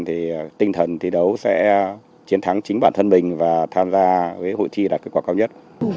thì tinh thần thi đấu sẽ chiến thắng chính bản thân mình và tham gia với hội thi đạt kết quả cao nhất